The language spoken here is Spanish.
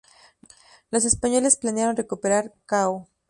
Los españoles planearon recuperar Curacao.